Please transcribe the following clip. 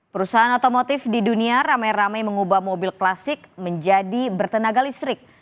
perusahaan otomotif di dunia ramai ramai mengubah mobil klasik menjadi bertenaga listrik